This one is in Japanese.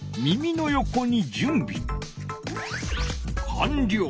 かんりょう！